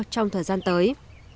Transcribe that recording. trong thời gian tới